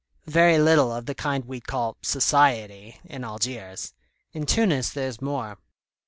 "Very little of the kind we'd call 'society' in Algiers. In Tunis there's more.